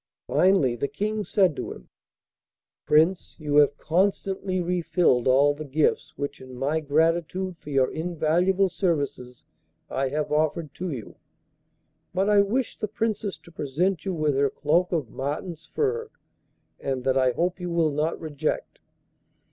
Finally the King said to him: 'Prince, you have constantly refilled all the gifts which, in my gratitude for your invaluable services, I have offered to you, but I wish the Princess to present you with her cloak of marten's fur, and that I hope you will not reject!